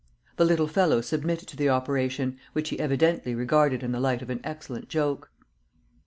The little fellow submitted to the operation, which he evidently regarded in the light of an excellent joke.